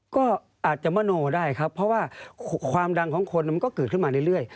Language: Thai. ก็อาจจะมโนได้ครับเพราะว่าความดังของคนมันก็เกิดขึ้นมาเรื่อย